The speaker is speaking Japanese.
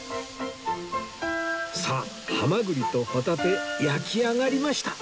さあハマグリとホタテ焼き上がりました